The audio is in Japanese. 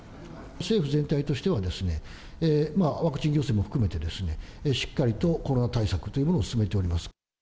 政府全体としてはですね、まあ、ワクチン行政も含めてですね、しっかりとコロナ対策というものを進めております。